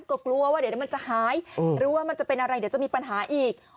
ก็กลัวว่าเดี๋ยวมันจะหายหรือว่ามันจะเป็นอะไรเดี๋ยวจะมีปัญหาอีก